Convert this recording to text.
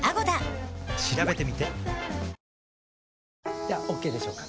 ではＯＫでしょうか？